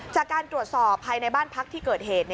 จากการตรวจสอบภายในบ้านพักที่เกิดเหตุ